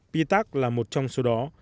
pitak là một trong số đó